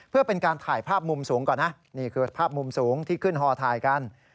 เพื่อเป็นการถ่ายภาพมุมสูงก่อนนะนี่คือภาพมุมสูงที่ขึ้นฮอถ่ายกัน